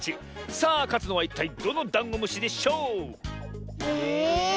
さあかつのはいったいどのダンゴムシでしょう⁉え。